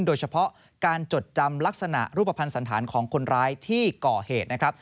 โดยเฉพาะการจดจำลักษณะรูปภัณฑ์สันธารของคนร้ายที่ก่อเหตุนะครับ